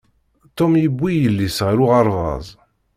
Tom yewwi yelli-s ɣer uɣerbaz.